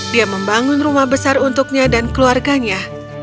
dia membangun rumah besar untuknya dan keluarganya